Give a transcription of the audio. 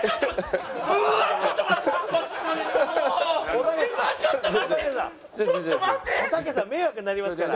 おたけさん迷惑になりますから。